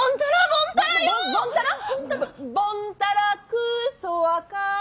ボンタラクーソワカー。